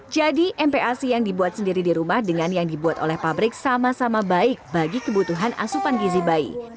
jadi mpac yang dibuat sendiri di rumah dengan yang dibuat oleh pabrik sama sama baik bagi kebutuhan asupan gizi bayi